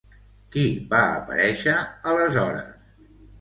Qui va aparèixer aleshores?